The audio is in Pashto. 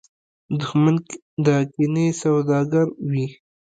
دښمن د کینې سوداګر وي